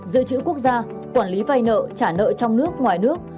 giữ chữ quốc gia quản lý vay nợ trả nợ trong nước ngoài nước